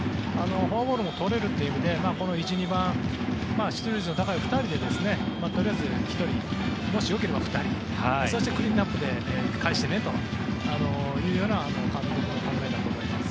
フォアボールも取れるということで１、２番出塁率の高い２人でとりあえず１人もしよければ２人そしてクリーンアップでかえしてねという監督の考えだと思います。